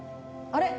あれ？